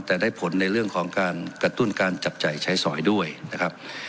แต่ได้ผลในเรื่องของการกระตุ้นการจับจ่ายใช้สอยด้วยนะครับ